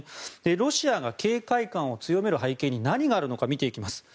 ロシアが警戒感を強める背景に何があるのか見ていきます。